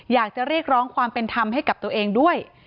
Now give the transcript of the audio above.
อยากจะเรียกร้องความเป็นธรรมให้กับตัวเองด้วย